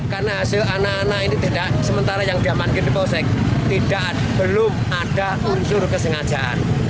karena hasil anak anak ini tidak sementara yang diamankin di posek tidak belum ada unsur kesengajaan